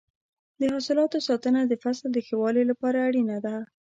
د حاصلاتو ساتنه د فصل د ښه والي لپاره اړینه ده.